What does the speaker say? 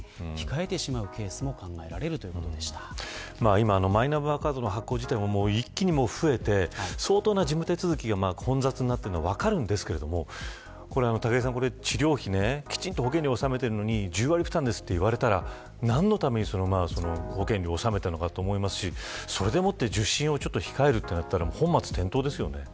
今、マイナンバーカードの発行自体は一気に増えて相当な事務手続きが混雑してるのは分かりますがきちんと保険料を納めているのに治療費１０割負担と言われたら何のために保険料をおさえているのかと思いますしそれで受診を控えるとなったら本末転倒ですよね。